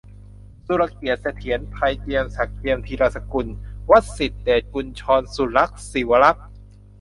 สุรเกียรติ์ เสถียรไทย สมศักดิ์ เจียมธีรสกุล วสิษฐ เดชกุญชร สุลักษณ์ ศิวรักษ์